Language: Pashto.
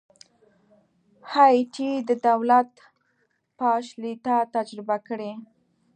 هایټي د دولت پاشلتیا تجربه کړې.